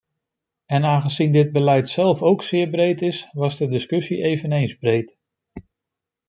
En aangezien dit beleid zelf ook zeer breed is, was de discussie eveneens breed.